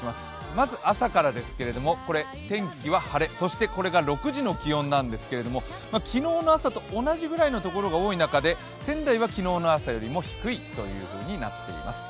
まず朝からですけど、天気は晴れそしてこれが６時の気温なんですけど昨日の朝と同じぐらいのところが多い中で仙台は昨日の朝より低いということになっています